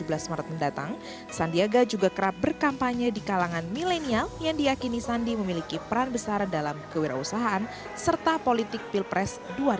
dalam tahun yang datang sandiaga juga kerap berkampanye di kalangan milenial yang diakini sandi memiliki peran besar dalam kewirausahaan serta politik pilpres dua ribu sembilan belas